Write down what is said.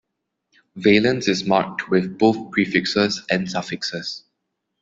Valence is marked with both prefixes and suffixes.